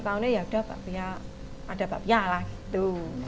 lima tahun ini ya udah ada bakpia lah gitu